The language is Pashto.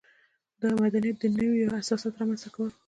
د مدنیت د نویو اساساتو رامنځته کول.